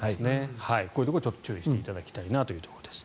こういうところに注意していただきたいなというところです。